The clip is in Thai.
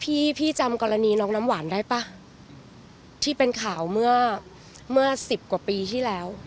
พี่พี่จำกรณีน้องน้ำหวานได้ป่ะที่เป็นข่าวเมื่อเมื่อสิบกว่าปีที่แล้ว